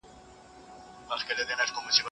زده کوونکي کولای سي پوښتنې وکړي.